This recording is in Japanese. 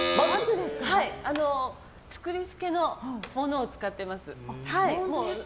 作り付けのものを使っています。